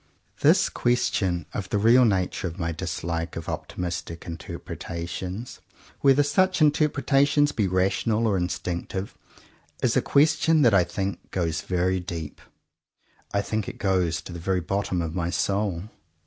This question, of the real nature of my dislike of optimistic interpretations, whether such interpretations be rational or instinc tive, is a question that I think goes very deep. I think it goes to the very bottom of my soul.